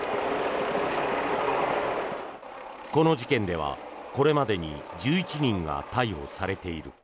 この事件ではこれまでに１１人が逮捕されている。